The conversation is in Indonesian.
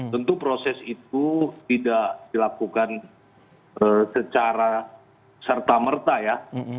tentu proses itu tidak dilakukan secara serta merta ya